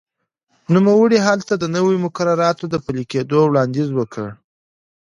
نوموړي هلته د نویو مقرراتو د پلي کېدو وړاندیز وکړ.